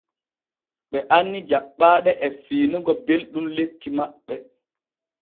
Ɓe anni jaɓɓaaɗe e fiinugo belɗum lekki maɓɓe.